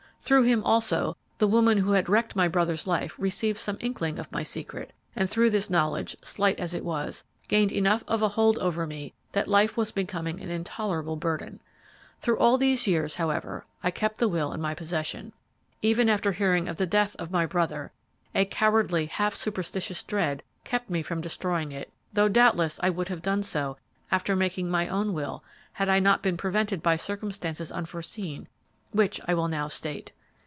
Through him, also, the woman who had wrecked my brother's life received some inkling of my secret, and through this knowledge, slight as it was, gained enough of a hold over me that life was becoming an intolerable burden. Through all these years, however, I kept the will in my possession. Even after hearing of the death of my brother, a cowardly, half superstitious dread kept me from destroying it, though doubtless I would have done so soon after making my own will had I not been prevented by circumstances unforeseen, which I will now state.